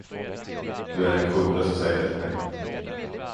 Du är den sjunde som säger det till mig.